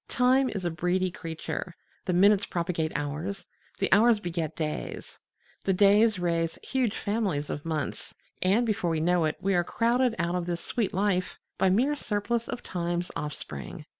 Time is a breedy creature: the minutes propagate hours, the hours beget days, the days raise huge families of months, and before we know it we are crowded out of this sweet life by mere surplus of Time's offspring.